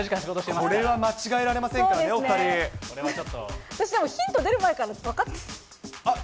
これは間違えられませんからでもヒント出る前から分かっえ？